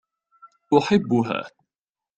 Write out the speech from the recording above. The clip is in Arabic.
أحبها.